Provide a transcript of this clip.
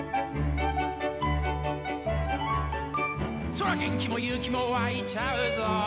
「そら元気も勇気もわいちゃうぞ」